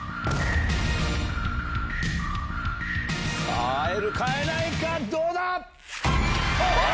さぁ会えるか会えないかどうだ⁉わ！